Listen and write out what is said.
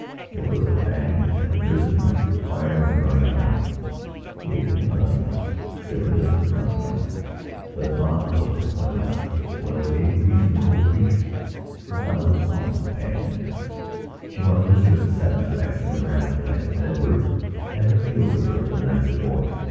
It was a passion that had arisen like fire in dry corn. He could think of nothing else; he could live for nothing else. But La Dolciquita was a reasonable creature without an ounce of passion in her. She wanted a certain satisfaction of her appetites and Edward had appealed to her the night before.